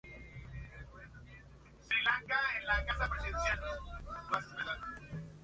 Buena parte de la zona este de la vía se corresponde con dicho cauce.